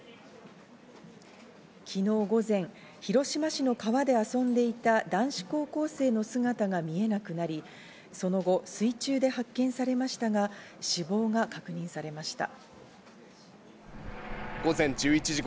昨日午前、広島市の川で遊んでいた男子高校生の姿が見えなくなり、その後、水中で発見されましたが、死亡が確認されました。